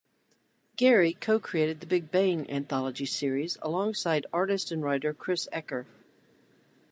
Gary co-created the "Big Bang" anthology series alongside artist and writer Chris Ecker.